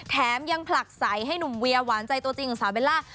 แถมยังผลักใสให้หนุ่มเวียหวานใจตัวจริงของสาวเบลล่า